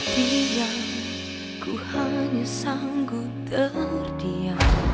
tidak aku hanya sanggup terdiam